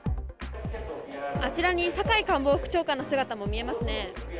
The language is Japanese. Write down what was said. あちらに、坂井官房副長官の姿も見えますね。